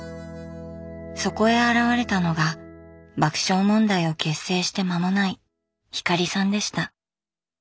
そこへ現れたのが爆笑問題を結成して間もない光さんでした。